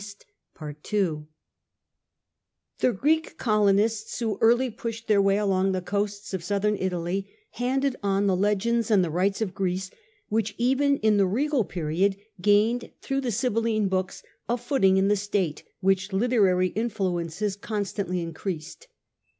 S'* The Greek colonists who early pushed their men^s way along the coasts of southern Italy handed ' on the legends and the rites of Greece, which even in the regal period gained, through the Sibylline books, a footing in the state which literary influences constantly increased.